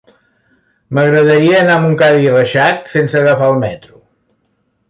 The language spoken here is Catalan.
M'agradaria anar a Montcada i Reixac sense agafar el metro.